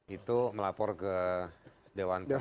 itu melapor ke dewan pers